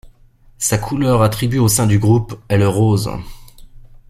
Sa couleur attribuée au sein du groupe est le rose.